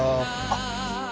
あっ。